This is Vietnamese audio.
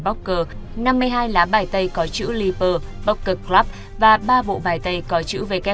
poker năm mươi hai lá bài tay có chữ leaper poker club và ba bộ bài tay có chữ w